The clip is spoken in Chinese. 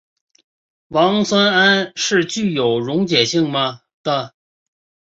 壬酸铵是具有溶解性的。